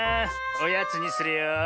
おやつにするよ。